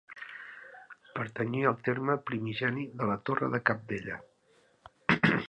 Pertanyia al terme primigeni de la Torre de Cabdella.